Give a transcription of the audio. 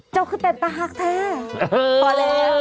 เจ้าคือปรารคแท้